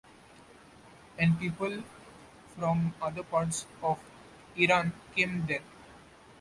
And people from other parts of Iran came there.